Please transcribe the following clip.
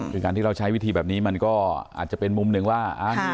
คือการที่เราใช้วิธีแบบนี้มันก็อาจจะเป็นมุมหนึ่งว่า